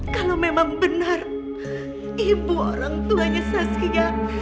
kalau memang benar ibu orang tuanya saskia